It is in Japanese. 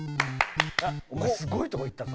お前すごいとこ行ったぞ。